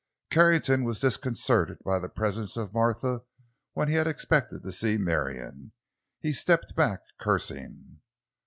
Carrington was disconcerted by the presence of Martha when he had expected to see Marion. He stepped back, cursing.